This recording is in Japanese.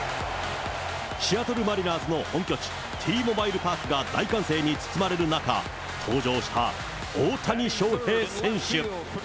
シアトルマリナーズの本拠地、Ｔ―モバイルパークが大歓声に包まれる中、登場した大谷翔平選手。